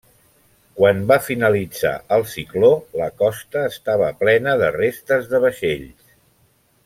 Quan va finalitzar el cicló, la costa estava plena de restes de vaixells.